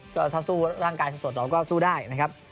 ก็ถ้าสู้ร่างกายสดเราก็สู้ได้นะครับ